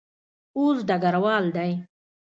اوس ډګروال دی.